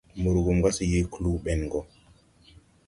Burgum ga se yee kluu ɓen go.